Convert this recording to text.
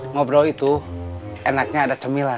ngobrol itu enaknya ada cemilan